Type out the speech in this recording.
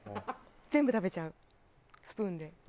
全部食べちゃうスプーンで。